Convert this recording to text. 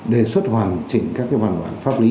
đề xuất hoàn chỉnh các cái hoàn toàn pháp lý